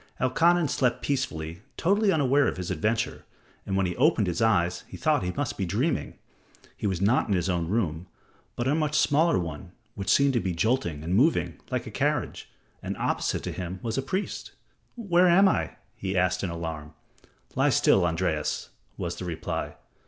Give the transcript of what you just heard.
Elkanan slept peacefully, totally unaware of his adventure, and when he opened his eyes he thought he must be dreaming. He was not in his own room, but a much smaller one which seemed to be jolting and moving, like a carriage, and opposite to him was a priest. "Where am I?" he asked in alarm. "Lie still, Andreas," was the reply.